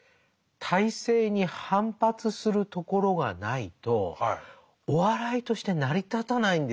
体制に反発するところがないとお笑いとして成り立たないんですよね。